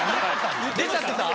出ちゃってた？